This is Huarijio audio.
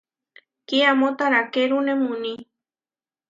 Kiamó tarakérune muuní.